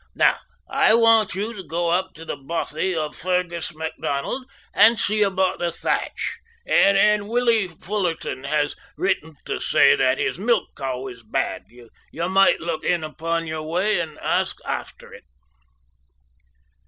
Now, I want you to go up to the bothy of Fergus McDonald and see about the thatch, and Willie Fullerton has written to say that his milk cow is bad. You might took in upon your way and ask after it."